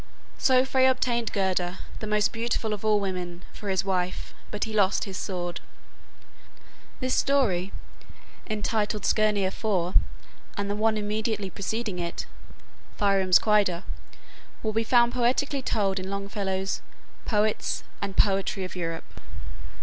So Frey obtained Gerda, the most beautiful of all women, for his wife, but he lost his sword. This story, entitled "Skirnir For," and the one immediately preceding it, "Thrym's Quida," will be found poetically told in Longfellow's "Poets and Poetry of Europe."